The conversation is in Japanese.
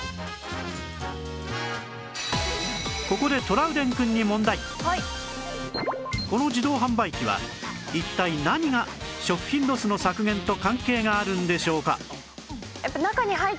ここでトラウデンくんにこの自動販売機は一体何が食品ロスの削減と関係があるんでしょうか？